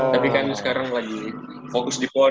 tapi kan sekarang lagi fokus di pon